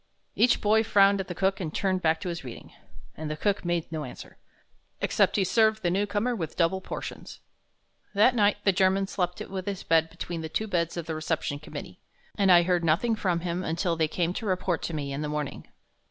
Each boy frowned at the cook and turned back to his reading. And the cook made no answer, except he served the new comer with double portions. That night the German slept with his bed between the two beds of the Reception Committee, and I heard nothing from him until they came to report to me in the morning.